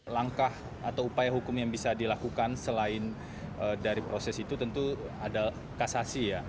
langkah atau upaya hukum yang bisa dilakukan selain dari proses itu tentu ada kasasi ya